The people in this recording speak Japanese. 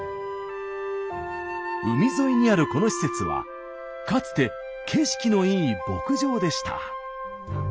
海沿いにあるこの施設はかつて景色のいい牧場でした。